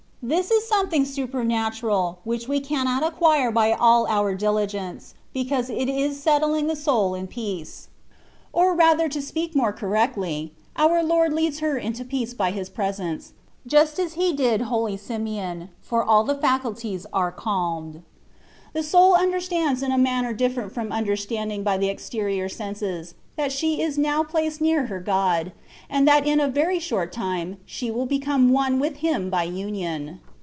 This is something supernatural, which we cannot acquire by all our diligence, because it is settUng the soul in peace ; or rather, to speak more correctly, our Lord leads her into peace by His presence, just as He did holy Simeon, for all the faculties are calmed. The soul understands in a manner different from un derstanding by the exterior senses, that she is now placed near her God, and that in a very short time she will become one with Him by union.